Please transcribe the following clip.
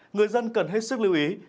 người dân cần hết sức lưu ý